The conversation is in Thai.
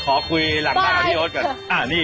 ขอคุยหลังบ้านกับพี่โอ๊ตก่อน